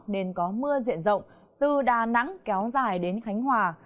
nên có mưa diện rộng từ đà nẵng kéo dài đến khánh hòa